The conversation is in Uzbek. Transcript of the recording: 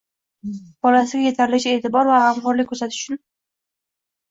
bolasiga yetarlicha e’tibor va g‘amxo‘rlik ko‘rsatish uchun